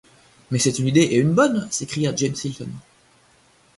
Mais c’est une idée et une bonne! s’écria James Hilton.